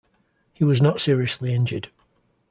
He was not seriously injured.